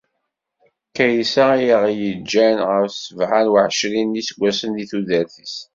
Kaysa i aɣ-yeǧǧan ɣef sebεa u εecrin n yiseggasen deg tudert-is.